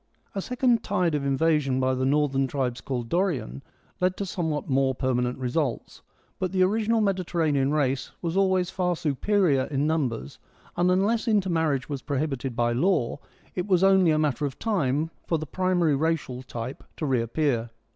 A second tide of invasion by the northern tribes called Dorian led to somewhat more per manent results, but the original Mediterranean race was always far superior in numbers, and unless inter marriage was prohibited by law it was only a matter of time for the primary racial type to reappear.